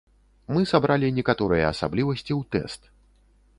Мы сабралі некаторыя асаблівасці ў тэст.